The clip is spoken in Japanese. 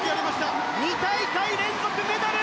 ２大会連続メダル！